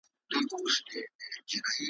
په څپوکي يې رزمونه ,